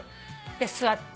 で座って。